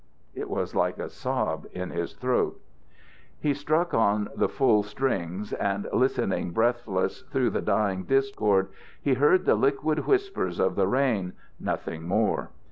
It was like a sob in his throat. He struck on the full strings. And listening breathless through the dying discord he heard the liquid whispers of the rain, nothing more.